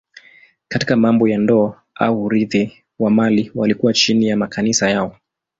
Katika mambo ya ndoa au urithi wa mali walikuwa chini ya makanisa yao.